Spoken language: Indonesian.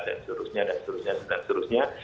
dan seterusnya dan seterusnya dan seterusnya